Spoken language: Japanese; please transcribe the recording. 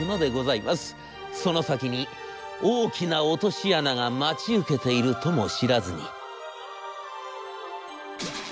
その先に大きな落とし穴が待ち受けているとも知らずに」。